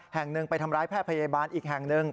แห่งหนึ่งไปทำร้ายแพทย์พยาบาลอีกแห่งหนึ่ง